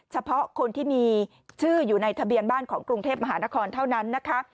เฉพาะคนที่มีชื่ออยู่ในทะเบียนบ้านของกรุงเทพมหานครเท่านั้นนะคะ